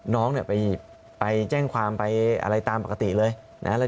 น้องเนี่ยไปแจ้งความไปอะไรตามปกติเลยนะ